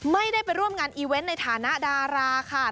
ไม่ได้ไปร่วมงานอีเวนต์ในฐานะดาราค่ะ